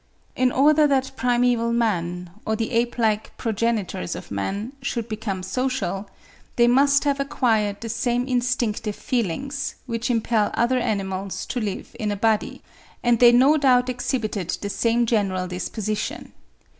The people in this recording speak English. In order that primeval men, or the ape like progenitors of man, should become social, they must have acquired the same instinctive feelings, which impel other animals to live in a body; and they no doubt exhibited the same general disposition.